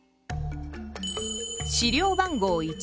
資料番号１。